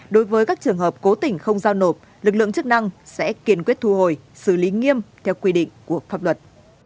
đối với các trường hợp cố tình không giao nộp lực lượng chức năng sẽ kiên quyết thu hồi xử lý nghiêm theo quy định của pháp luật